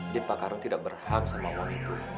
jadi pak ardun tidak berhak sama orang itu